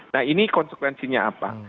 nah ini konsekuensinya apa